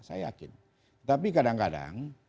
saya yakin tetapi kadang kadang